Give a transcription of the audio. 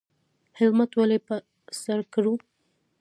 هیلمټ ولې په سر کړو؟